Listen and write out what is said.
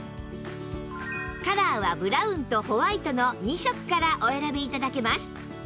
カラーはブラウンとホワイトの２色からお選び頂けます